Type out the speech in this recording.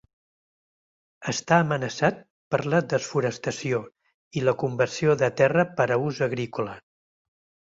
Està amenaçat per la desforestació i la conversió de terra per a ús agrícola.